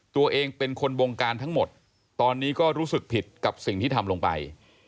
ตัวเองเป็นคนบงการทั้งหมดตอนนี้ก็รู้สึกผิดกับสิ่งที่ทำลงไป